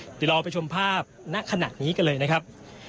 เดี๋ยวเราไปชมภาพณขณะนี้กันเลยนะครับ